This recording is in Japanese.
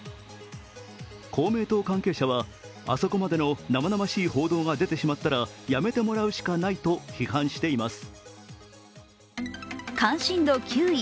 公明党関係者は、あそこまでの生々しい報道が出てしまったら辞めてもらうしかないと批判しています。